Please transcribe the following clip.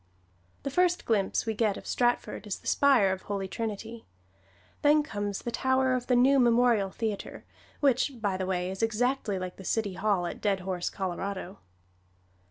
The first glimpse we get of Stratford is the spire of Holy Trinity; then comes the tower of the new Memorial Theater, which, by the way, is exactly like the city hall at Dead Horse, Colorado.